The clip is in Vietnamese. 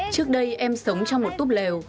trước đây em sống trong một túp lều